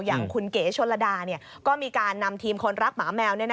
อย่างคุณเก๋ชนระดาก็มีการนำทีมคนรักหมาแมว